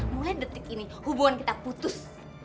mulai detik ini hubungan kita putus